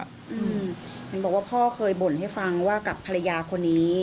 เห็นบอกว่าพ่อเคยบ่นให้ฟังว่ากับภรรยาคนนี้